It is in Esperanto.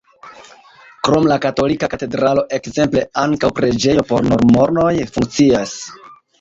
Krom la katolika katedralo ekzemple ankaŭ preĝejo por mormonoj funkcias.